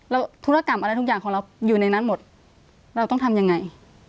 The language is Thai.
แล้วธุรกรรมอะไรทุกอย่างของเราอยู่ในนั้นหมดเราต้องทำยังไง